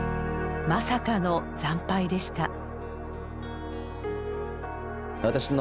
まさかの惨敗でした。